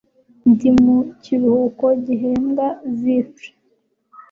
Ndi mu kiruhuko gihembwa Zifre